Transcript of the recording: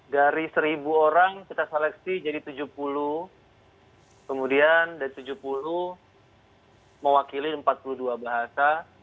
dari seribu orang kita seleksi jadi tujuh puluh kemudian dari tujuh puluh mewakili empat puluh dua bahasa